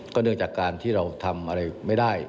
เนื่องจากการที่เราทำอะไรไม่ได้